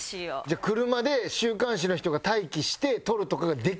じゃあ車で週刊誌の人が待機して撮るとかができないんだ。